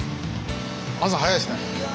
朝早いですね。